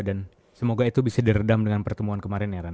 dan semoga itu bisa diredam dengan pertemuan kemarin ya ran